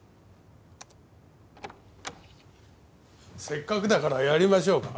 せっかくだからやりましょうか。